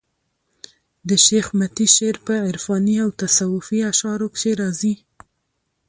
د شېخ متي شعر په عرفاني او تصوفي اشعارو کښي راځي.